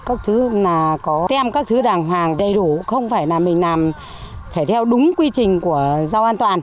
các thứ là có thêm các thứ đàng hoàng đầy đủ không phải là mình làm phải theo đúng quy trình của rau an toàn